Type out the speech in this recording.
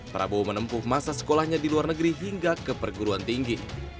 prabowo menempuh masa sekolahnya di luar negeri hingga ke perguruan tinggi